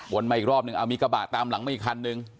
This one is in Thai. มาอีกรอบนึงเอามีกระบะตามหลังมาอีกคันนึง